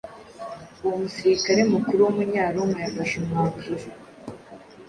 uwo musirikare mukuru w’Umunyaroma yafashe umwanzuro